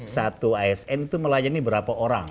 satu asn itu melayani berapa orang